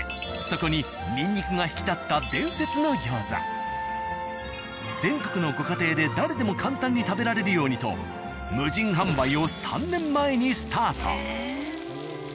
そこにニンニクが引き立った全国のご家庭で誰でも簡単に食べられるようにと無人販売を３年前にスタート。